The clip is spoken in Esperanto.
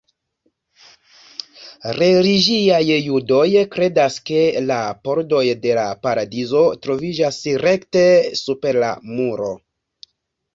Religiaj judoj kredas ke la pordoj de la paradizo troviĝas rekte super la muro.